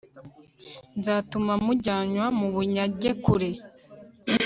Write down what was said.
nzatuma mujyanwa mu bunyage kure